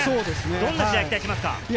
どんな試合を期待しますか？